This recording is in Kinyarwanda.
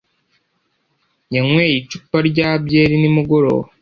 Yanyweye icupa rya byeri nimugoroba.